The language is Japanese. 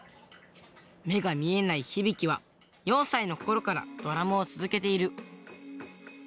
目が見えないひびきは４歳の頃からドラムを続けている。